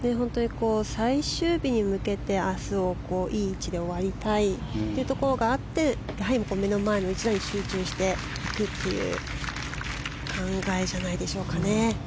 最終日に向けて明日をいい位置で終わりたいというところがあって目の前の１打に集中していくという考えじゃないでしょうかね。